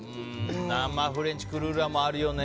生フレンチクルーラーもあるよね。